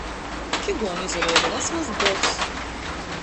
Čyguonu, izaruoda, vasals bors!